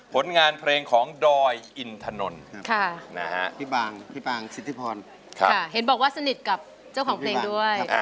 ผลงานเพลงของดอยอินถนนพี่ปางสิทธิพรเห็นบอกว่าสนิทกับเจ้าของเพลงด้วย